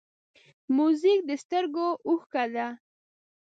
موزیک د سترګو اوښکه ده.